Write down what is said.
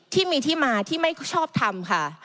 ที่มีที่มาที่ไม่ชอบทำค่ะ